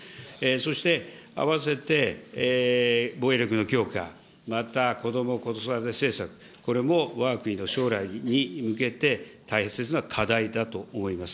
そして併せて、防衛力の強化、またこども・子育て政策、これもわが国の将来に向けて、大切な課題だと思います。